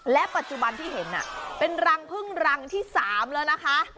และปัจจุบันที่เห็นเป็นรังพึ่งรังที่๓แล้วนะคะ